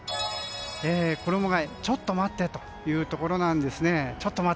衣替え、ちょっと待ってというところなんですね。